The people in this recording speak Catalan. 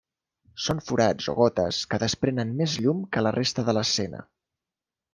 Són forats o gotes que desprenen més llum que la resta de l'escena.